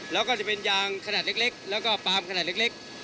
แล้วก็จะเป็นยางขนาดเล็กแล้วก็ปาล์มขนาดเล็ก